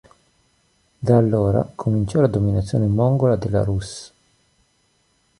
Da allora cominciò la dominazione mongola della Rus'.